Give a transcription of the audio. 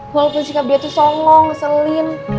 walaupun sikap dia tuh songong ngeselin